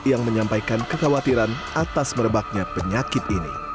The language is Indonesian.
yang menyampaikan kekhawatiran atas merebaknya penyakit ini